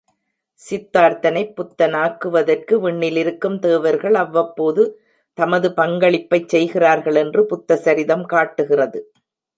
சித்தார்த்தனைப் புத்தனாக்குவதற்கு விண்ணிலிருக்கும் தேவர்கள் அவ்வப்போது தமது பங்களிப்பைச் செய்கிறார்கள் என்று புத்த சரிதம் காட்டுகிறது.